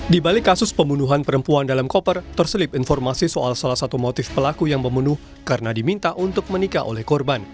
di balik kasus pembunuhan perempuan dalam koper terselip informasi soal salah satu motif pelaku yang membunuh karena diminta untuk menikah oleh korban